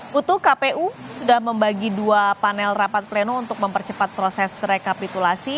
putu kpu sudah membagi dua panel rapat pleno untuk mempercepat proses rekapitulasi